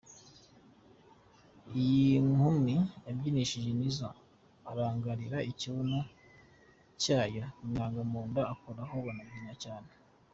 Iyi nkumi yabyinishije Nizzo arangarira ikibuno cyayoBimwanga mu nda akoraho banabyina cyane.